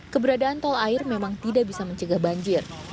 keberadaan tol air memang tidak bisa mencegah banjir